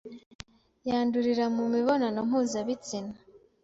Yandurira mu mibonano mpuzabitsina?